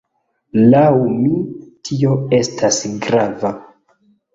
Laŭ mi, tio estas grava.